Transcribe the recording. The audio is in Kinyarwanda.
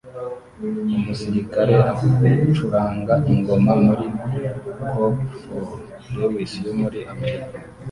Umusirikare ucuranga ingoma muri Corp Fort Lewis yo muri Amerika